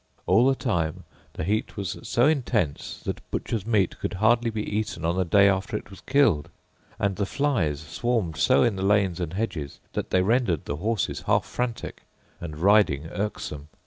All the time the heat was so intense that butchers' meat could hardly be eaten on the day after it was killed; and the flies swarmed so in the lanes and hedges that they rendered the horses half frantic, and riding irksome.